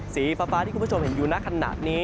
สีฟ้าที่คุณผู้ชมเห็นอยู่ในขณะนี้